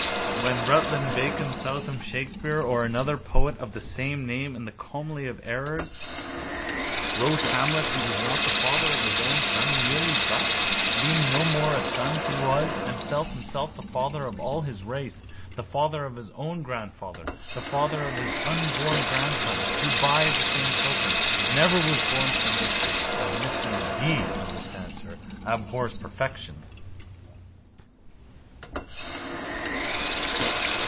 When Rutlandbaconsouthamptonshakespeare or another poet of the same name in the comedy of errors wrote Hamlet he was not the father of his own son merely but, being no more a son, he was and felt himself the father of all his race, the father of his own grandfather, the father of his unborn grandson who, by the same token, never was born, for nature, as Mr Magee understands her, abhors perfection.